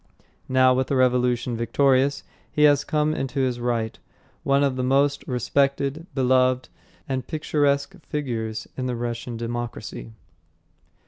Now, with the revolution victorious, he has come into his right, one of the most respected, beloved and picturesque figures in the Russian democracy.